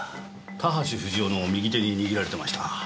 田橋不二夫の右手に握られてました。